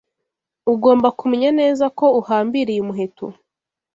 Ugomba kumenya neza ko uhambiriye umuheto.